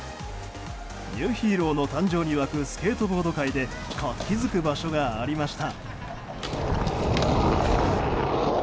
ニューヒーローの誕生に沸くスケートボード界で活気づく場所がありました。